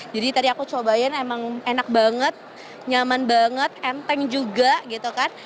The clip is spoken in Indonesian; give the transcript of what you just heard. jadi tadi aku cobain emang enak banget nyaman banget enteng juga gitu kan